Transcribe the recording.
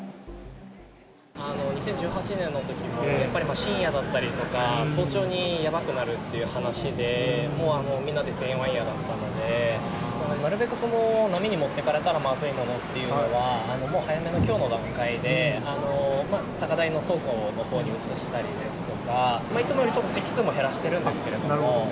２０１８年のときも、やっぱり深夜だったりとか、早朝にやばくなるっていう話で、もう、みんなでてんやわんやだったので、なるべく波に持っていかれたらまずいものっていうのは、もう早めのきょうの段階で、高台の倉庫のほうに移したりですとか、いつもよりちょっと席数も減らしてるんですけれども。